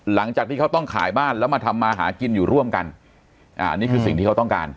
หลังจากที่เขาต้องขายบ้านแล้วมาทำมาหากินอยู่ร่วมกันอันนี้คือสิ่งที่เขาต้องการ